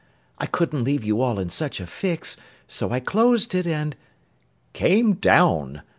I couldn't leave you all in such a fix so I closed it, and " "Came down!"